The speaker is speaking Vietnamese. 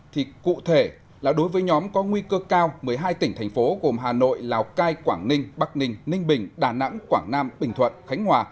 thì cụ thể là đối với nhóm có nguy cơ cao một mươi hai tỉnh thành phố gồm hà nội lào cai quảng ninh bắc ninh ninh bình đà nẵng quảng nam bình thuận khánh hòa